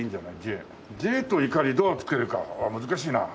Ｊといかりどうつけるか難しいな。